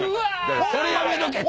それやめとけって！